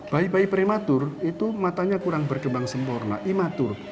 bayi bayi prematur itu matanya kurang berkembang sempurna imatur